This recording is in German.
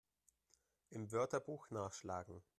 Im Wörterbuch nachschlagen!